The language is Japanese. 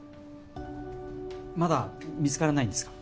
まだ見つからないんですか？